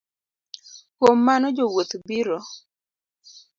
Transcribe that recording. Kuom mano jowuoth biro